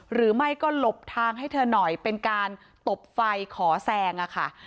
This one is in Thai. หรือไม่ก็หลบทางให้เธอหน่อยเป็นการตบไฟขอแซงอะค่ะ